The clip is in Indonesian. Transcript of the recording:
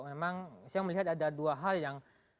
memang saya melihat ada dua hal yang